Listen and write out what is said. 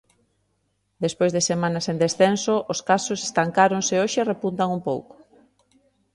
Despois de semanas en descenso, os casos estancáronse e hoxe repuntan un pouco.